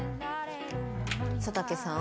佐竹さん？